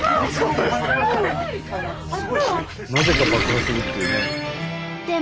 なぜか爆破するっていうね。